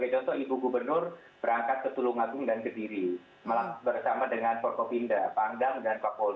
kami sebagai contoh ibu gubernur berangkat ke tulungagung dan kediri bersama dengan forkopimda pangdam dan pakolda melakukan kegiatan covid hunter